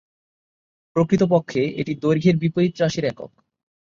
প্রকৃতপক্ষে এটি দৈর্ঘ্যের বিপরীত রাশির একক।